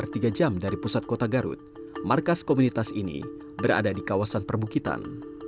selama tiga jam dari pusat kota garut markas komunitas ini berada di kawasan perbukitan